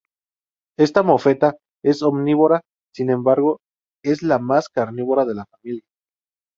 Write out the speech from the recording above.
Esta mofeta es omnívora, sin embargo, es la más carnívora de la familia.